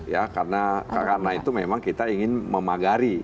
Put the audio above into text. ya karena itu memang kita ingin memagari